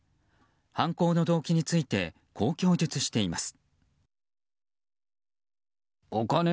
犯行の動機についてこう供述しています。